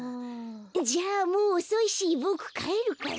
じゃあもうおそいしぼくかえるから。